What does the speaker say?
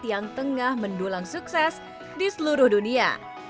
yang tengah mendulang sukses di seluruh dunia